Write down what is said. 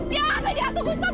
jangan ambil di atas gustaf